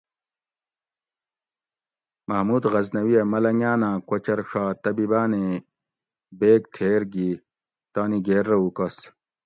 محمود غزنوی ھہ ملنگۤان آں کوچر ڛا طبیبانیں بیگ تھیر گی تانی گیر رہ اوکس